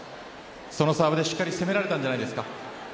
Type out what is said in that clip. そのサーブでしっかり攻められたんじゃないですか。